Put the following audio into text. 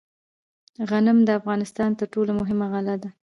غنم د افغانستان تر ټولو مهمه غله ده.